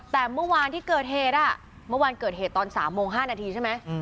แต่เมื่อวานที่เกิดเหตุเมื่อวานเกิดเหตุตอน๓โมง๕นาทีใช่ไหม